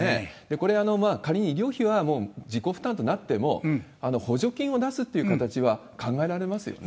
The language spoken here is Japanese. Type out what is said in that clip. これ、仮に医療費はもう自己負担となっても、補助金を出すっていう形は考えられますよね？